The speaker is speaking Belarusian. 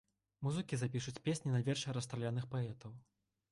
Музыкі запішуць песні на вершы расстраляных паэтаў.